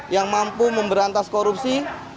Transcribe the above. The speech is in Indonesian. yang mampu memberantas korupsi